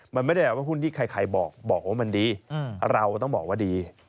มันไม่ได้แปลว่าหุ้นที่ใครบอกว่ามันดีเราก็ต้องบอกว่าดี